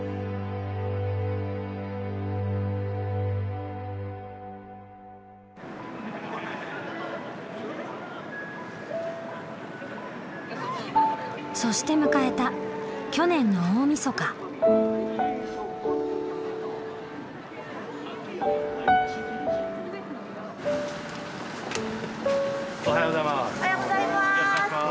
どうもおはようございます。